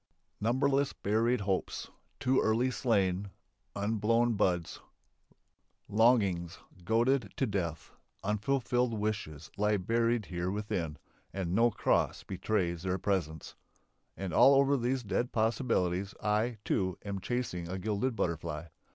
Numberless buried hopes, too early slain, unblown buds, longings goaded to death, unfulfilled wishes lie buried here within and no cross betrays their presence. And over all these dead possibilities I, too, am chasing a gilded butterfly.